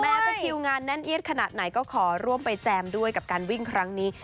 จะคิวงานแน่นเอียดขนาดไหนก็ขอร่วมไปแจมด้วยกับการวิ่งครั้งนี้